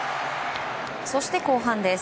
そして後半です。